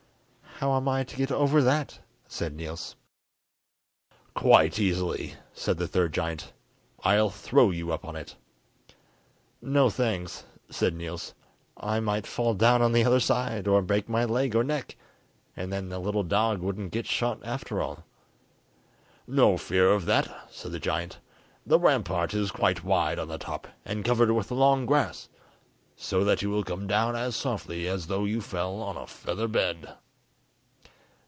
"How am I to get over that?" said Niels. "Quite easily," said the third giant; "I'll throw you up on it." "No, thanks," said Niels. "I might fall down on the other side, or break my leg or neck, and then the little dog wouldn't get shot after all." "No fear of that," said the giant; "the rampart is quite wide on the top, and covered with long grass, so that you will come down as softly as though you fell on a feather bed."